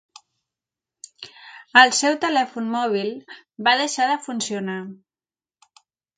El seu telèfon mòbil va deixar de funcionar.